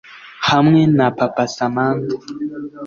hamwe na papa samantha